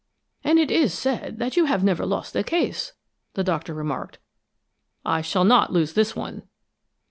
"And it is said that you have never lost a case!" the Doctor remarked. "I shall not lose this one."